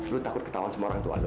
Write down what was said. lu takut ketahuan sama orang tua lu